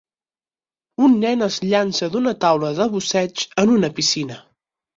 Un nen es llança d'una taula de busseig en una piscina.